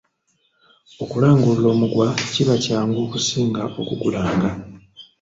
Okulangulula omugwa kiba kyangu okusinga okugulanga.